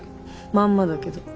まんまだけど。